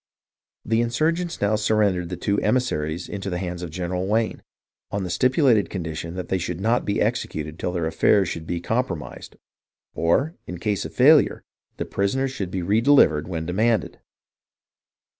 The insurgents now surrendered the two emissaries into the hands of General Wayne, on the stipu lated condition that they should not be executed till their affairs should be compromised, or, in case of failure, the prisoners should be redelivered when demanded.